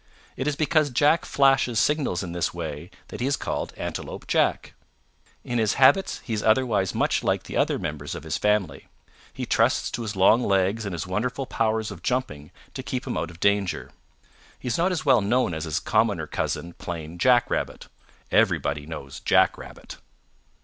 It is because Jack flashes signals in this way that he is called Antelope Jack. In his habits he is otherwise much like the other members of his family. He trusts to his long legs and his wonderful powers of jumping to keep him out of danger. He is not as well known as his commoner cousin, plain Jack Rabbit. Everybody knows Jack Rabbit."